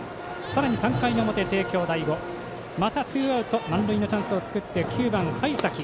さらに３回の表帝京第五、またツーアウト満塁のチャンスを作って９番、灰咲。